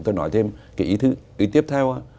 tôi nói thêm cái ý tiếp theo